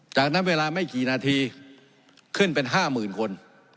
จากนั้นเวลาไม่กี่นาทีขึ้นเป็น๕๐๐๐คน